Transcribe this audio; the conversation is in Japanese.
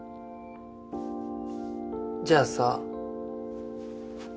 じゃあさ。